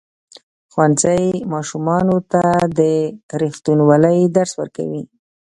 ښوونځی ماشومانو ته د ریښتینولۍ درس ورکوي.